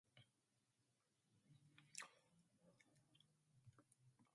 Latvia and Uzbekistan traditionally have good political and economic relationship.